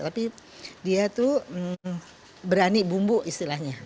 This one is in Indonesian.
tapi dia tuh berani bumbu istilahnya